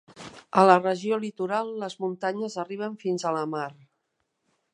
A la regió litoral les muntanyes arriben fins a la mar.